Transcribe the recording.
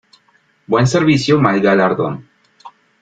Buen servicio, mal galardón.